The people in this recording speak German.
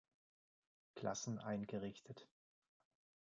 Klassen eingerichtet.